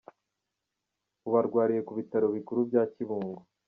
Ubu arwariye ku bitaro bikuru bya Kibungo.